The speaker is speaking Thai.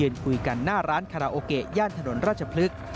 ยืนคุยกันหน้าร้านคาราโอเกอย่างถนนราชพลึก